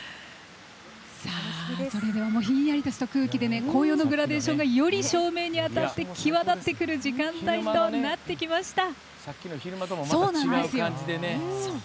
ひんやりとした空気で紅葉のグラデーションがより正面に当たって際立ってくる時間帯となってきました。